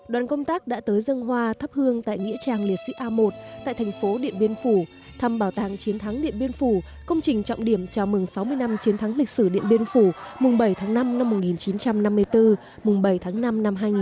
đoàn công tác đã tới dân hoa thắp hương tại nghĩa trang liệt sĩ a một tại thành phố điện biên phủ thăm bảo tàng chiến thắng điện biên phủ công trình trọng điểm chào mừng sáu mươi năm chiến thắng lịch sử điện biên phủ mùng bảy tháng năm năm một nghìn chín trăm năm mươi bốn mùng bảy tháng năm năm hai nghìn hai mươi bốn